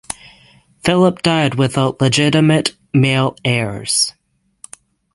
Philip died without legitimate male heirs.